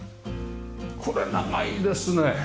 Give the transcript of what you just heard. これ長いですね！